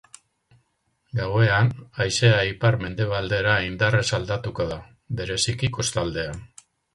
Gauean, haizea ipar-mendebaldera indarrez aldatuko da, bereziki kostaldean.